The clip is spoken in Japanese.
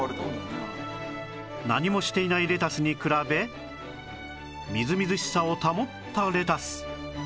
何もしていないレタスに比べみずみずしさを保ったレタス